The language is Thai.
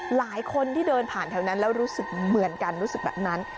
หลายคนที่เดินผ่านแถวนั้นแล้วรู้สึกเหมือนกันรู้สึกแบบนั้น